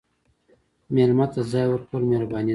مېلمه ته ځای ورکول مهرباني ده.